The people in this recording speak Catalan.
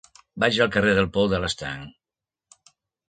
Vaig al carrer del Pou de l'Estanc.